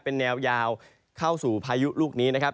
เป็นแนวยาวเข้าสู่พายุลูกนี้นะครับ